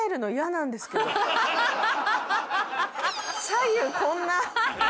左右こんな。